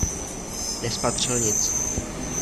Nespatřil nic.